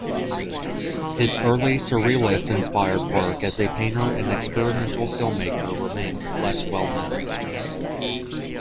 His early, surrealist-inspired work as a painter and experimental filmmaker remains less well known.